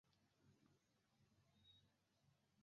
努尔哈赤翼龙的正模标本是一个部份头颅骨与骨骸。